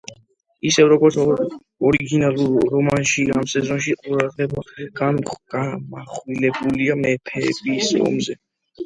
ისევე, როგორც ორიგინალურ რომანში, ამ სეზონში ყურადღება გამახვილებულია მეფეების ომზე.